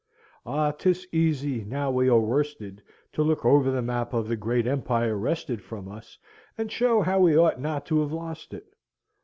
Ah! 'tis easy, now we are worsted, to look over the map of the great empire wrested from us, and show how we ought not to have lost it.